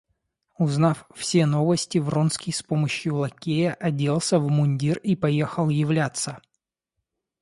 Узнав все новости, Вронский с помощию лакея оделся в мундир и поехал являться.